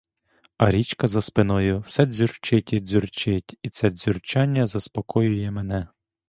А річка за спиною все дзюрчить і дзюрчить, і це дзюрчання заспокоює мене.